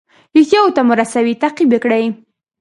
ریښتیاوو ته مو رسوي تعقیب یې کړئ.